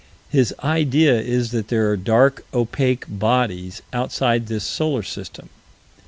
His idea is that there are dark, opaque bodies outside this solar system.